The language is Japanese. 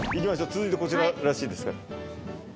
続いてこちららしいですから。